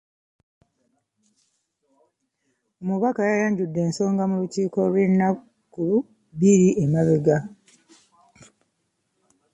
Omubaka yayanjudde ensonga mu lukiiko lw'ennaku bbiri emabega.